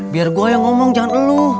biar gua yang ngomong jangan elu